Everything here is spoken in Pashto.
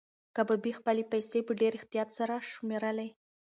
کبابي خپلې پیسې په ډېر احتیاط سره شمېرلې.